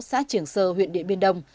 xã triển sơ huyện điện biên đông